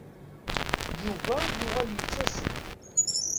Yuba yuɣal yettasem.